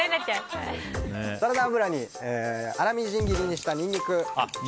サラダ油に粗みじん切りにしたニンニクを入れていきます。